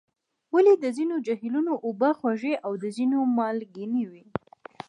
ولې د ځینو جهیلونو اوبه خوږې او د ځینو مالګینې وي؟